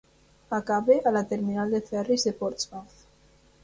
Acaba a la terminal de ferris de Portsmouth.